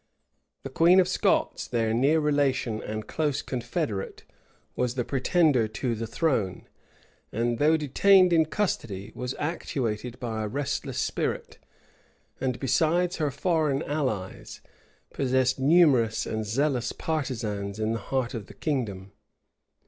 The queen of Scots, their near relation and close confederate, was the pretender to her throne; and though detained in custody, was actuated by a restless spirit, and, besides her foreign allies, possessed numerous and zealous partisans in the heart of the kingdom.